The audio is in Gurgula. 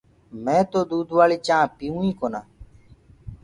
مي تو دودوآݪي چآنه پيئو ئي ڪونآ